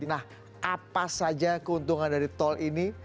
nah apa saja keuntungan dari tol ini